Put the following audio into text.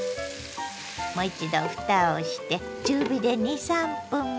もう一度ふたをして中火で２３分